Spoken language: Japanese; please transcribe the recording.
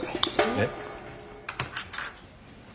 えっ。